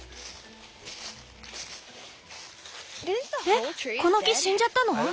えっこの木死んじゃったの？